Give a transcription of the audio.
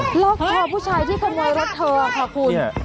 ล็อกคอผู้ชายที่ขโมยรถเธอค่ะคุณ